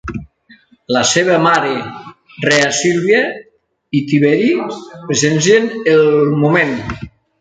La seva mare, Rea Sílvia, i Tiberí presencien el moment.